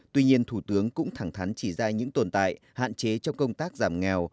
tuy nhiên thủ tướng cũng thẳng thắn chỉ ra những tồn tại hạn chế trong công tác giảm nghèo